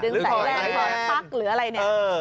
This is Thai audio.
นึงสายแรงชักหรืออะไรเนี่ย